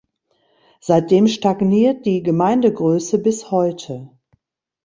Seitdem stagniert die Gemeindegröße bis heute.